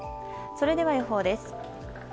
それでは予報です。